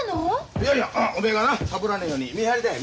いやいやおめえがなサボらねえように見張りだよ